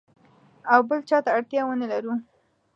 او بل چاته اړتیا ونه لرو.